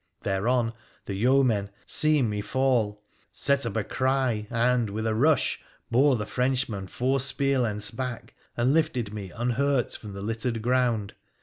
Thereon the yeomen, seeing me fall, set up a cry, and, with a rush, bore the Frenchmen four spear lengths back, and lifted me, unhurt, from the littered ground.